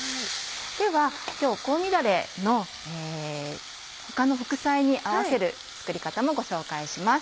では今日香味だれの他の副菜に合わせる作り方もご紹介します。